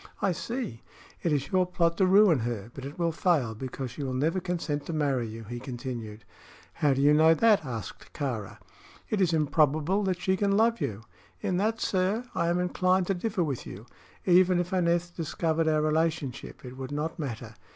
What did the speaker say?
"I see. It is your plot to ruin her; but it will fail, because she will never consent to marry you," he continued. "How do you know that?" asked Kāra. "It is improbable that she can love you." "In that, sir, I am inclined to differ with you. Even if Aneth discovered our relationship, it would not matter.